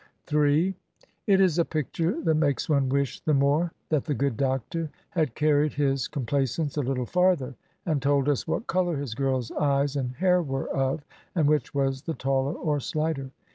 m It is a picture that makes one wish the more that the good doctor had carried his complaisance a little farther and told us what color his girls' eyes and hair were of, and which was the taller or sUghter.